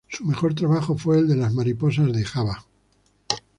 Su mejor trabajo fue el de las mariposas de Java.